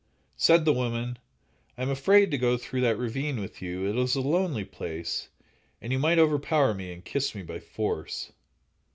Said the woman: "I am afraid to go through that ravine with you; it is a lonely place, and you might overpower me and kiss me by force."